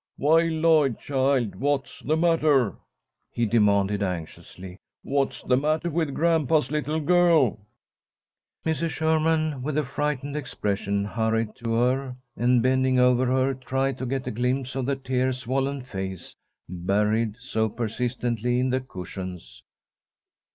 "Why, Lloyd, child, what's the matter?" he demanded, anxiously. "What's the matter with grandpa's little girl?" Mrs. Sherman, with a frightened expression, hurried to her, and, bending over her, tried to get a glimpse of the tear swollen face buried so persistently in the cushions.